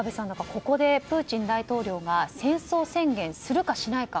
ここでプーチン大統領が戦争宣言するかしないか。